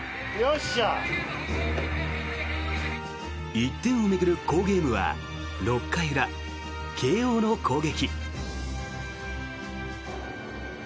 １点を巡る好ゲームは６回裏慶応の攻撃。